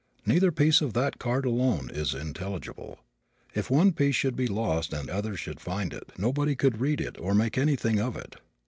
Neither piece of that card alone is intelligible. If one piece should be lost and others should find it nobody could read it or make anything of it.